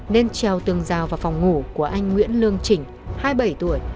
nên treo tường rào vào phòng ngủ của anh nguyễn lương chỉnh hai mươi bảy tuổi